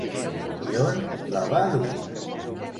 I on la va dur?